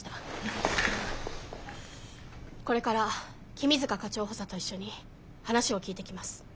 これから君塚課長補佐と一緒に話を聞いてきます。